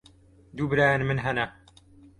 Du birayên min hene.